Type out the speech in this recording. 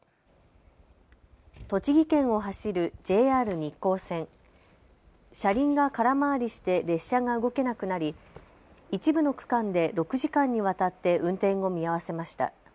栃木県を走るＪＲ日光線、車輪が空回りして列車が動けなくなり一部の区間で６時間にわたって運転を見合わせました。